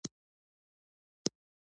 ایا زه تیمم کولی شم؟